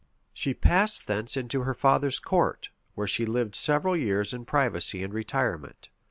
She passed thence into her father's court, where she lived several years in privacy and retirement.